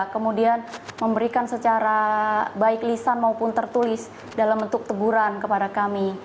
kemudian memberikan secara baik lisan maupun tertulis dalam bentuk teguran kepada kami